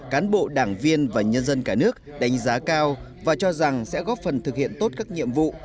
cán bộ đảng viên và nhân dân cả nước đánh giá cao và cho rằng sẽ góp phần thực hiện tốt các nhiệm vụ